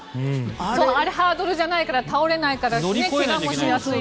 あれハードルじゃないから倒れないから怪我もしやすいといいますもんね。